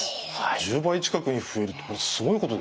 １０倍近くに増えるってこれすごいことですね。